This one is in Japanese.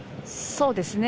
そうですね。